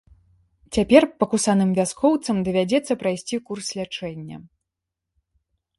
Цяпер пакусаным вяскоўцам давядзецца прайсці курс лячэння.